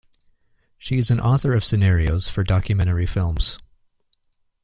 She is an author of scenarios for documentary films.